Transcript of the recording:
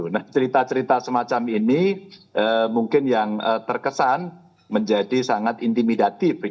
nah cerita cerita semacam ini mungkin yang terkesan menjadi sangat intimidatif